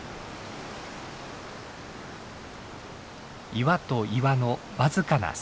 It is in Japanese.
岩と岩の僅かな隙間。